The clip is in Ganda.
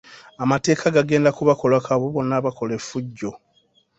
Amateeka gagenda kubakolako abo boona abakola efujjo.